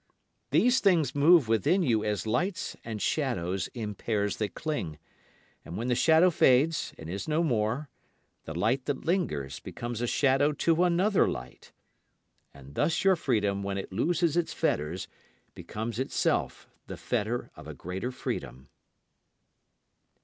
These things move within you as lights and shadows in pairs that cling. And when the shadow fades and is no more, the light that lingers becomes a shadow to another light. And thus your freedom when it loses its fetters becomes itself the fetter of a greater freedom.